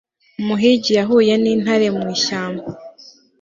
Umuhigi yahuye nintare mu ishyamba